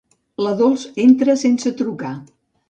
La Dols entra sense trucar.